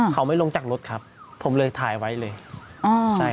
เขาไม่ลงจากรถครับผมเลยถ่ายไว้เลยอ่าใช่